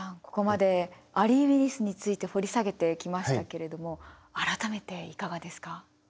ここまでアリー・ウィリスについて掘り下げてきましたけれども改めていかがですか？